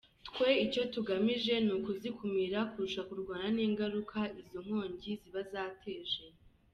Twe icyo tugamije ni ukuzikumira kurusha kurwana n’ingaruka izo nkongi ziba zateje."